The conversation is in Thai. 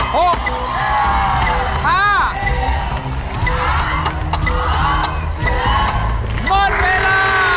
หมดเวลา